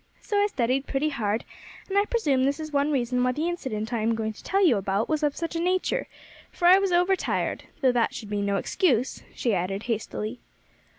So I studied pretty hard; and I presume this is one reason why the incident I am going to tell you about was of such a nature; for I was over tired, though that should be no excuse," she added hastily.